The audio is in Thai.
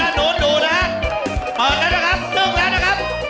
เปิดแล้วนะครับนึ่งแล้วนะครับ